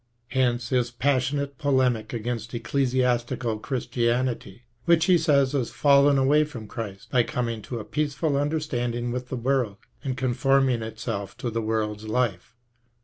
Hence his passionate polemic against ecclesiastical Chris tianity, which he says has fallen away from Christ, by coming to a peaceful understanding with the world and conforming itself to the world's life.